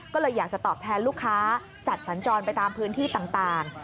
ก็เลยอยากจะตอบแทนลูกค้าจัดสัญจรไปตามพื้นที่ต่าง